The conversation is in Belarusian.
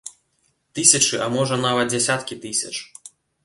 Тысячы, а можа нават дзясяткі тысяч.